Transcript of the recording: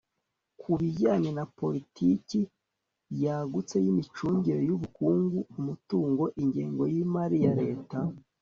ku bijyanye na politiki yagutse y'imicungire y'ubukungu, umutungo, ingengo y'imali ya leta